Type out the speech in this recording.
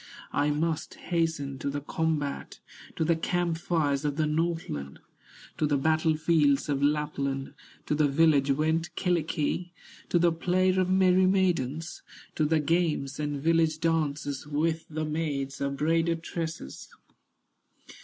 I must hasten to the combat, To the camp fires of the Northland, To the battle fields of Lapland; To the village went Kyllikki, To the play of merry maidens, To the games and village dances, With the maids of braided tresses."